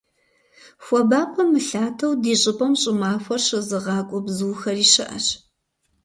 Хуабапӏэм мылъатэу ди щӏыпӏэм щӏымахуэр щызыгъакӏуэ бзухэри щыӏэщ.